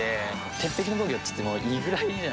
「鉄壁の防御」って言ってもいいぐらい。